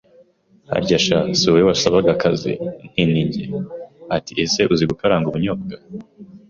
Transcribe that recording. Harya sha, si wowe wasabaga akazi? Nti ninjye. ati Ese uzi gukaranga ubunyobwa?